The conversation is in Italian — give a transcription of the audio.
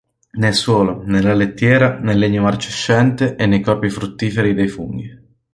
Nel suolo, nella lettiera, nel legno marcescente e nei corpi fruttiferi dei funghi